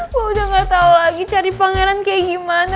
gue udah gak tau lagi cari pangeran kayak gimana